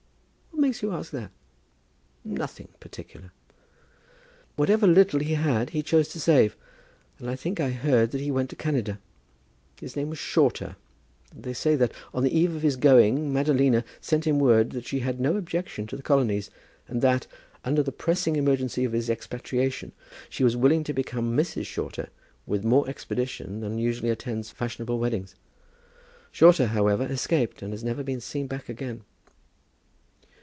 "What makes you ask that?" "Nothing particular." "Whatever little he had he chose to save, and I think I heard that he went to Canada. His name was Shorter; and they say that, on the eve of his going, Madalina sent him word that she had no objection to the colonies, and that, under the pressing emergency of his expatriation, she was willing to become Mrs. Shorter with more expedition than usually attends fashionable weddings. Shorter, however, escaped, and has never been seen back again."